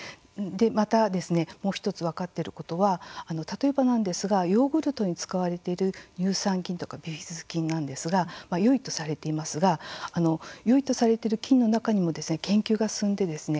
またもう１つ分かっていることは例えばなんですがヨーグルトに使われてる乳酸菌とか、ビフィズス菌なんですがよいとされていますがよいとされている菌の中にも研究が進んでですね